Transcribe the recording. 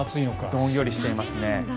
どんよりしていますね。